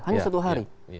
hanya satu hari